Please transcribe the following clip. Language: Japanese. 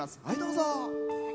はいどうぞ。